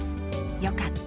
よかった。